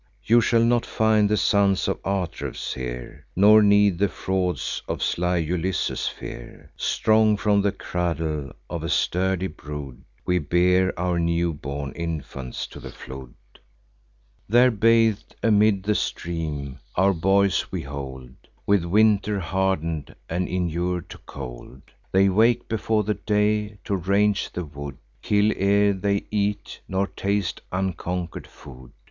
You shall not find the sons of Atreus here, Nor need the frauds of sly Ulysses fear. Strong from the cradle, of a sturdy brood, We bear our newborn infants to the flood; There bath'd amid the stream, our boys we hold, With winter harden'd, and inur'd to cold. They wake before the day to range the wood, Kill ere they eat, nor taste unconquer'd food.